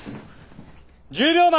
１０秒前！